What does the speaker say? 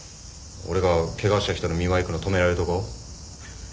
俺がケガした人の見舞い行くの止められるとこ。